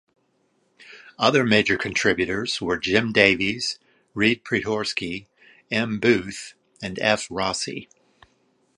Other major contributors were Jim Davies, Reid Priedhorsky, M. Booth, and F. Rossi.